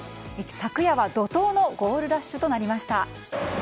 昨夜は怒涛のゴールラッシュとなりました。